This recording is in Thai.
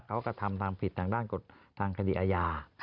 กระทำทางผิดทางด้านกฎทางคดีอาญา